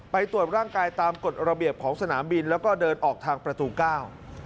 ตรวจร่างกายตามกฎระเบียบของสนามบินแล้วก็เดินออกทางประตูเก้า